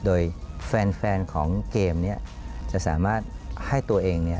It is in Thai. โดยแฟนของเกมจะสามารถให้ตัวเอง